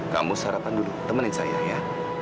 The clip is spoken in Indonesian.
kamu sarapan dulu temenin saya ya